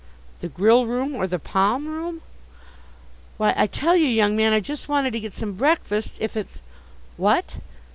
The grill room or the palm room? Why, I tell you, young man, I just wanted to get some breakfast if it's what?